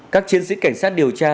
các chiến sĩ cảnh sát điều tra